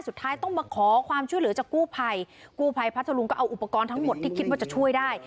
สุดท้ายต้องมาขอความช่วยเหลือจากกู้ภัยกู้ภัยพัทธรุงก็เอาอุปกรณ์ทั้งหมดที่คิดว่าจะช่วยได้